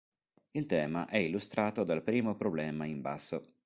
Il tema è illustrato dal primo problema in basso.